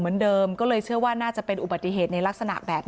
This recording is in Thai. เหมือนเดิมก็เลยเชื่อว่าน่าจะเป็นอุบัติเหตุในลักษณะแบบนี้